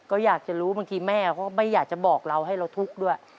ก็อยากจะรู้บางทีแม่ก็ไม่อยากจะบอกเราให้เราทุกข์ด้วย